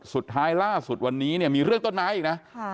สุดท้ายล่าสุดวันนี้มีเรื่องต้นไม้อีกนะ